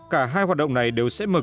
cả hai hoạt động này đều sẽ mở ra